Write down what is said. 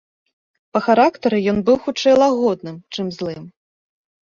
Па характары ён быў хутчэй лагодным, чым злым.